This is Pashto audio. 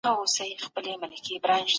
که ته نه پوهیږې څه غواړې نو فکر وکړه.